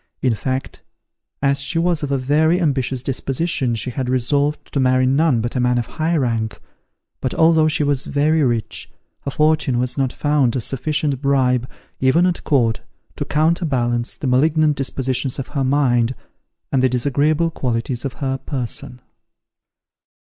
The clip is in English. In fact, as she was of a very ambitious disposition she had resolved to marry none but a man of high rank; but although she was very rich, her fortune was not found a sufficient bribe, even at court, to counterbalance the malignant dispositions of her mind, and the disagreeable qualities of her person.